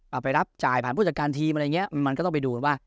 เอาไปรับจ่ายผ่านผู้จัดการทีมอะไรอย่างนี้มันก็ต้องไปดูกันว่า